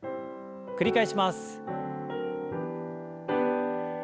繰り返します。